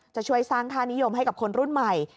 จะช่วยสร้างค่านิยมให้กับคนรุ่นใหม่